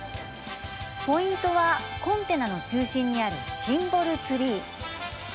ポイントはコンテナの中心にあるシンボルツリー。